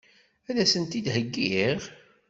Ad as-tent-id-heggiɣ?